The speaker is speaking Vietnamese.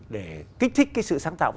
để kích thích cái sự sáng tạo của